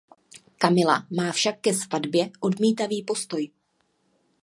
Kamila má však ke svatbě odmítavý postoj.